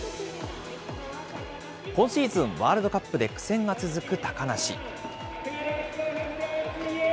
今シーズン、ワールドカップで苦戦が続く高梨。